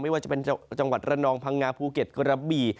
ว่าจะเป็นจังหวัดระนองพังงาภูเก็ตกระบี่